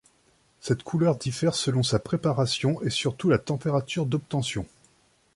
Cette couleur diffère selon sa préparation et surtout la température d'obtention.